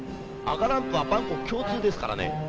赤ランプは万国共通ですからね。